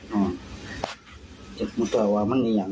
มันเหนียง